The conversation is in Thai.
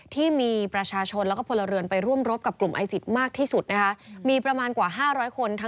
ที่มีประชาชนแล้วก็ผลเรือนไปร่วมรบกับกลุ่มไอซิตมากที่สุดนะคะ